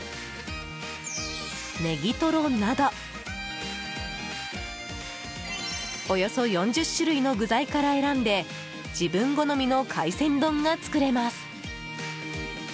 ねぎとろなどおよそ４０種類の具材から選んで自分好みの海鮮丼が作れます。